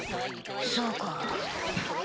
そうか。